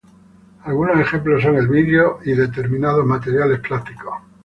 Algunos ejemplos son el vidrio y determinados materiales plásticos.